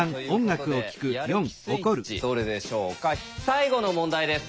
最後の問題です。